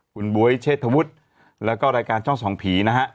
คุณบ๊วยเชษฐวุฒิแล้วก็รายการช่องส่องผีนะฮะ